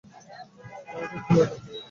আমাকে খুলে দাও।